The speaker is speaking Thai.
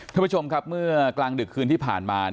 ท่านผู้ชมครับเมื่อกลางดึกคืนที่ผ่านมา